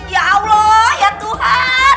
ya allah ya tuhan